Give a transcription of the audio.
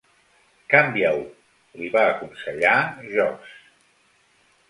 "Canvia-ho" li va aconsellar Josh.